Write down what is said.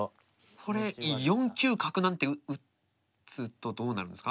これ４九角なんて打つとどうなるんですか？